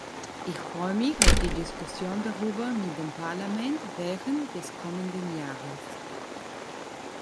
Ich freue mich auf die Diskussion darüber mit dem Parlament während des kommenden Jahres.